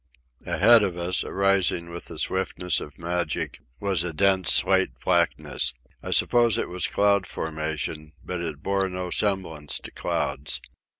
Ahead of us, arising with the swiftness of magic, was a dense slate blackness. I suppose it was cloud formation, but it bore no semblance to clouds.